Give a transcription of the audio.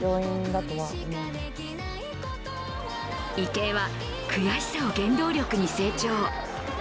池江は悔しさを原動力に成長。